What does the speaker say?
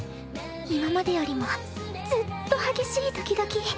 今までよりもずっと激しいドキドキ。